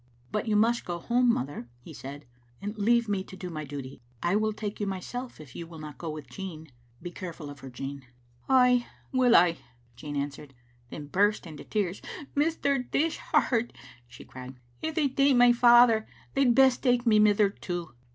"But you must go home, mother," he said, "and leave me to do my duty. I will take you myself if you will not go with Jean. Be careful of her, Jean." "Ay, will I," Jean answered, then burst into tears. " Mr. Dishart," she cried, " if they take my father they'd best take my mither too."